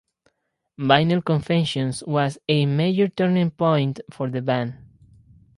"Vinyl Confessions" was a major turning point for the band.